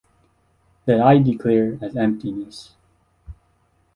That I declare as emptiness.